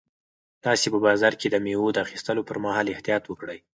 تاسو په بازار کې د مېوو د اخیستلو پر مهال احتیاط وکړئ.